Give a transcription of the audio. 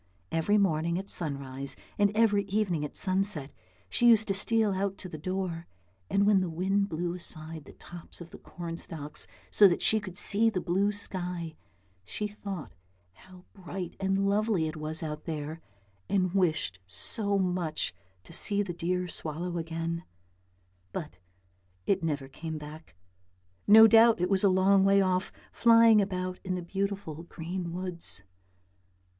Every morning at sunrise and every evening at sunset she used to steal out to the door, and when the wind blew aside the tops of the corn stalks so that she could see the blue sky, she thought how bright and lovely it was out there, and wished so much to see the dear swallow again; but it never came back; no doubt it was a long way off, flying about in the beautiful green woods.